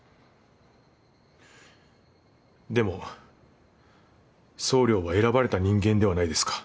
でも総領は選ばれた人間ではないですか